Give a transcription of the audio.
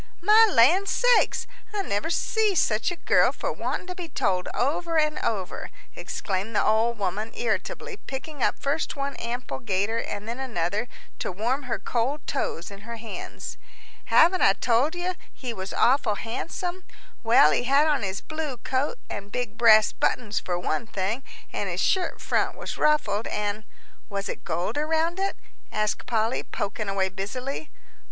"My land sakes! I never see such a girl for wanting to be told over and over," exclaimed the old woman, irritably, picking up first one ample gaiter and then another to warm her cold toes in her hands. "Haven't I told you he was awful handsome? Well, he had on his blue coat and big brass buttons for one thing, an' his shirt front was ruffled. And " "Was it gold around it?" asked Polly, poking away busily.